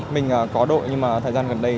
mình có đội nhưng mà thời gian gần đây